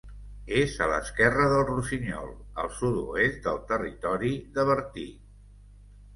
És a l'esquerra del Rossinyol, al sud-oest del territori de Bertí.